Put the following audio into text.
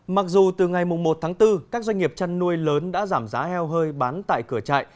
mặc dù từ ngày một tháng bốn các doanh nghiệp chăn nuôi lớn đã giảm giá heo hơi bán tại cửa trại